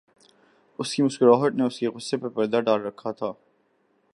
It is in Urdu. اُس کی مسکراہٹ نے اُس کے غصےپر پردہ ڈال رکھا تھا